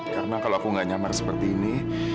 karena kalau aku nggak nyamar seperti ini